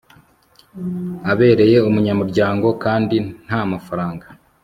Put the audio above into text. abereye umunyamuryango kandi ntamafaranga